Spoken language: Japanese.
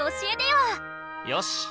よし！